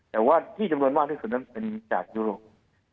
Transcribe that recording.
แต่ว่าที่จำนวนมากที่สุดนั้นเป็นจากยุโรป